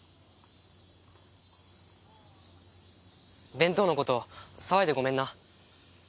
弁当のこと騒いでごめんな。